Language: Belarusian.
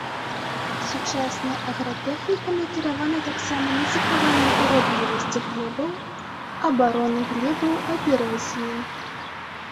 Сучасная агратэхніка накіравана таксама на захаванне ўрадлівасці глебаў, абарону глебаў ад эрозіі.